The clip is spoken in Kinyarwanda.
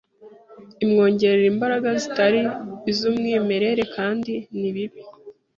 imwongerera imbaraga zitari iz’umwimerere kandi ni bibi.